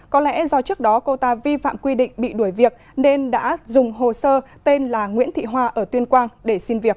có lẽ do trước đó cô ta vi phạm quy định bị đuổi việc nên đã dùng hồ sơ tên là nguyễn thị hoa ở tuyên quang để xin việc